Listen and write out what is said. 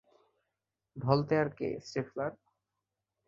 Voltaire কে, Stifler?